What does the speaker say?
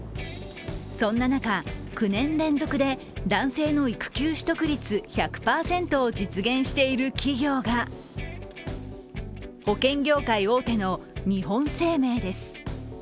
そんな中、９年連続で男性の育休取得率１００％を実現している企業が保険業界大手の日本生命です。